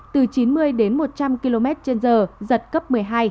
từ chín mươi đến một trăm linh km trên giờ giật cấp một mươi hai